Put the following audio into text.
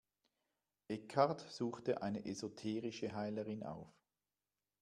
Eckhart suchte eine esoterische Heilerin auf.